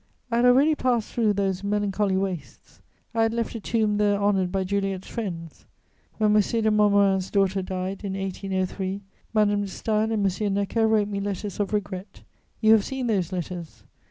I had already passed through those melancholy wastes; I had left a tomb there honoured by Juliet's friends. When M. de Montmorin's daughter died, in 1803, Madame de Staël and M. Necker wrote me letters of regret; you have seen those letters.